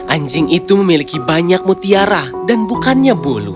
anjing itu memiliki banyak mutiara dan bukannya bulu